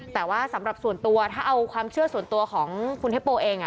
แต่ว่าสำหรับส่วนตัวถ้าเอาความเชื่อส่วนตัวของคุณเทปโปเอง